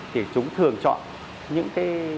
thì chúng thường chọn những